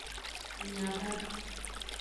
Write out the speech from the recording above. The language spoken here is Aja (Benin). Ng nya ba.